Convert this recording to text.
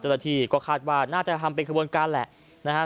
เจ้าหน้าที่ก็คาดว่าน่าจะทำเป็นขบวนการแหละนะฮะ